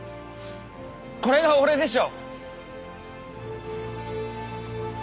これが俺でしょ！